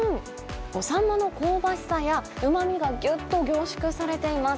サンマの香ばしさや、うまみがぎゅっと凝縮されています。